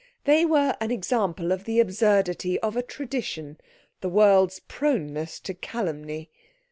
They were an example of the absurdity of a tradition 'the world's' proneness to calumny.